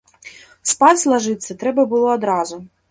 Спаць лажыцца трэба было адразу.